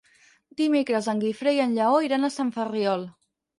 Dimecres en Guifré i en Lleó iran a Sant Ferriol.